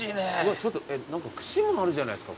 ちょっと串もあるじゃないですか。